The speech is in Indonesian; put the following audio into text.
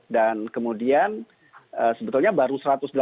dan kemudian sebetulnya baru satu ratus delapan puluh sembilan